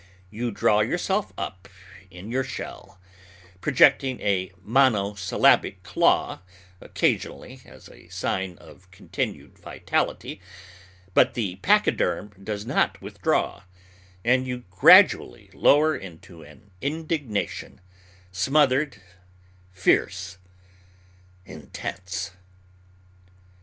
You draw yourself up in your shell, projecting a monosyllabic claw occasionally as a sign of continued vitality; but the pachyderm does not withdraw, and you gradually lower into an indignation, smothered, fierce, intense.